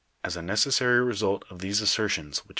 As a necessary result of these assert'ons which f